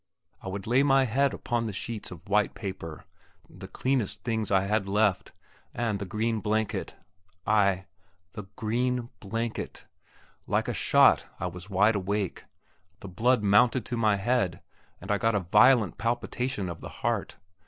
I would lay my head upon the sheets of white paper, the cleanest things I had left, and the green blanket. I ... The green blanket! Like a shot I was wide awake. The blood mounted to my head, and I got violent palpitation of the heart.